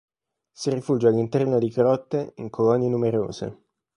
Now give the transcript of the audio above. Si rifugia all'interno di grotte in colonie numerose.